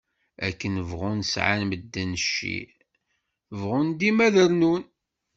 Akken bɣun sεan medden cci, beɣɣun dima ad d-rnun.